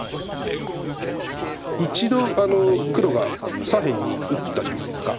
一度黒が左辺に打ったじゃないですか。